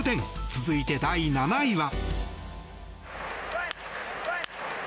続いて、第７位は。